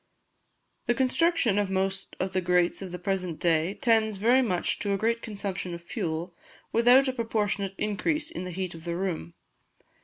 The construction of most of the grates of the present day tends very much to a great consumption of fuel without a proportionate increase in the heat of the room.